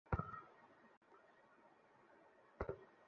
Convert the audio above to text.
এই বাহিনীর প্রতি আক্রমণ করা তার একান্ত আশা ছিল।